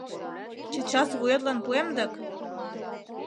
— Чечас вуетлан пуэм дык!